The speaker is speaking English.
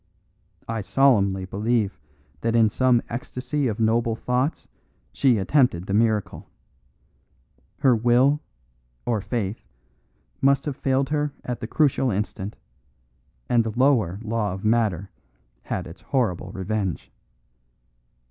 I solemnly believe that in some ecstasy of noble thoughts she attempted the miracle. Her will, or faith, must have failed her at the crucial instant, and the lower law of matter had its horrible revenge.